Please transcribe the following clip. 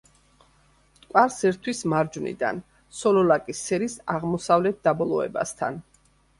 მტკვარს ერთვის მარჯვნიდან სოლოლაკის სერის აღმოსავლეთ დაბოლოებასთან.